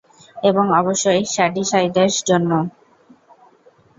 এবং অবশ্যই শ্যাডিসাইডের জন্য।